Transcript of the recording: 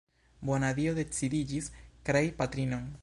Bona Dio decidiĝis krei patrinon.